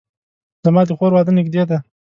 زما د خور واده نږدې ده